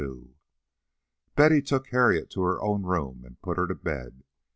XXII Betty took Harriet to her own room and put her to bed.